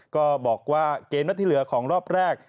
ก็บอกว่าเกมนัดที่เหลือของรอบแรก